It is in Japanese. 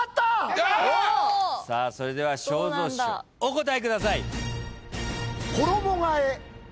それでは正蔵師匠お答えください。